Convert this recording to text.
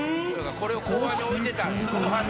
これを後半に置いてたんや。